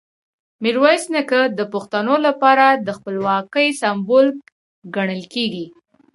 میرویس نیکه د پښتنو لپاره د خپلواکۍ سمبول ګڼل کېږي.